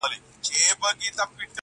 د ماشومتوب او د بنګړیو وطن!!